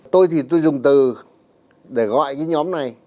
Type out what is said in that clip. tôi thì tôi dùng từ để gọi cái nhóm này